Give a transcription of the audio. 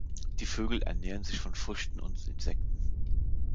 Die Vögel ernähren sich von Früchten und Insekten.